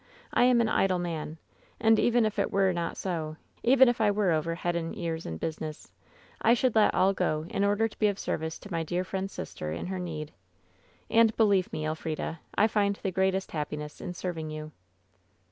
'I am an idle man. And even if it were not so — even if I were over head and ears in business — I should let all go in order to be of service to my dear friend's sister in her need. And be lieve me, Elfrida, I find the greatest happiness in serv ing you.